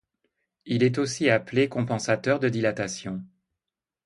Il est aussi appelé Compensateur de dilatation.